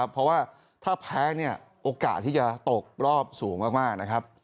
เพราะว่าถ้าแพ้โอกาสที่จะตกรอบสูงมาก